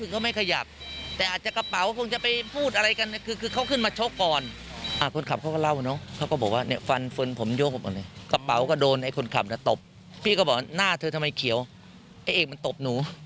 ก็บอกว่าดูฟันผมโยกกระเป๋าก็โดนไอ้คนขับแต่ตบ